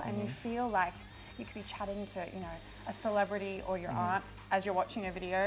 dan anda merasa seperti anda bisa berbicara dengan selebriti atau ibu anda saat anda menonton video